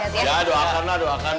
ya doakan lah doakan